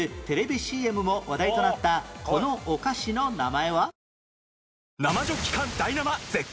ＣＭ も話題となったこのお菓子の名前は？